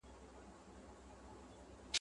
هغې په بيړه دروازه پرانيسته.